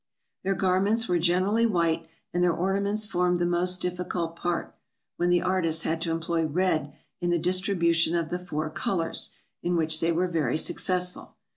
Their garments were generally white, and their orna ments formed the most difficult part, when the artists had to employ red in the distribution of the four colors, in which they were very successful.